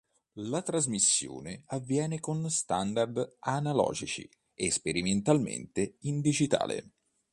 La trasmissione avviene con standard analogici e sperimentalmente in digitale.